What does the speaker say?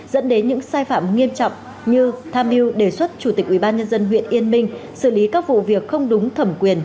dẫn đến những sai phạm nghiêm trọng như tham mưu đề xuất chủ tịch ubnd huyện yên minh xử lý các vụ việc không đúng thẩm quyền